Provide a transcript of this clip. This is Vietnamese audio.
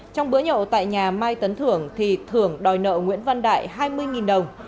trong bữa nhậu tại nhà mai tấn thưởng thì thưởng đòi nợ nguyễn văn đại hai mươi đồng